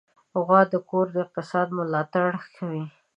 غوا د کور د اقتصاد ملاتړ کوي.